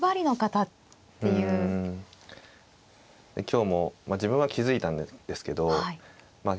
今日もまあ自分は気付いたんですけどまあ